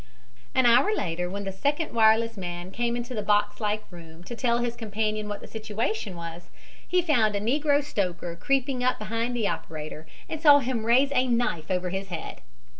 An hour later, when the second wireless man came into the boxlike room to tell his companion what the situation was, he found a negro stoker creeping up behind the operator and saw him raise a knife over his head.